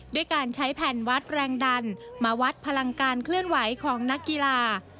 ด้วยการใช้แผ่นวัดแรงดันมาวัดพลังการเคลื่อนไหวของนักกีฬา